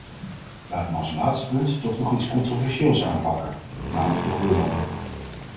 Laat me als laatste punt toch nog iets controversieel aanpakken, namelijk de gloeilampen.